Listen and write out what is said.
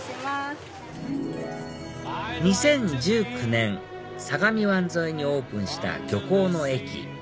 ２０１９年相模湾沿いにオープンした漁港の駅ＴＯＴＯＣＯ